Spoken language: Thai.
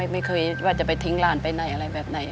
ไม่เคยว่าจะไปทิ้งหลานไปไหนอะไรแบบไหน